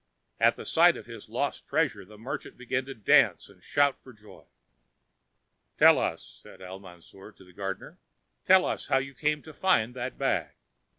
At sight of his lost treasure, the merchant began to dance and shout for joy. "Tell us," said Al Mansour to the gardener, "tell us how you came to find that bag."